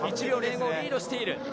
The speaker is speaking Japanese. １秒近くリードしている。